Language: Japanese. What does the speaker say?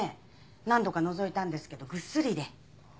何度かのぞいたんですけどぐっすりで。